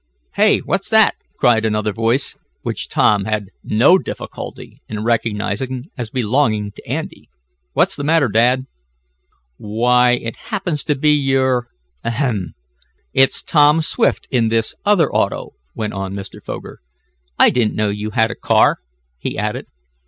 "Hey! What's that?" cried another voice, which Tom had no difficulty in recognizing as belonging to Andy. "What's the matter, Dad?" "Why it happens to be your ahem! It's Tom Swift in this other auto," went on Mr. Foger. "I didn't know you had a car," he added.